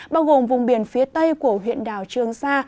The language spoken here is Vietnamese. bao gồm vùng biển phía tây của huyện đảo trương sa